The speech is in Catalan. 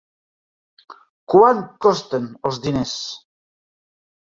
Quant costen els diners?